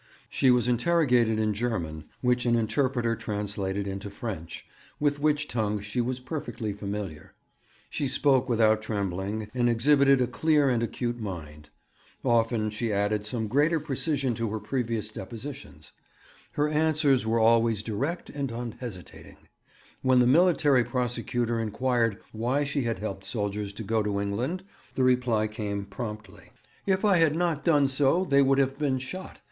She was interrogated in German, which an interpreter translated into French, with which tongue she was perfectly familiar. She spoke without trembling, and exhibited a clear and acute mind. Often she added some greater precision to her previous depositions. Her answers were always direct and unhesitating. When the Military Prosecutor inquired why she had helped soldiers to go to England, the reply came promptly: 'If I had not done so they would have been shot.